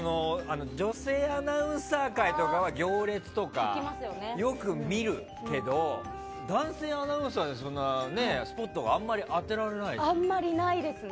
女性アナウンサー回とかは「行列」とかでよく見るけど男性アナウンサーにそんなスポットあまり当てられないですよね。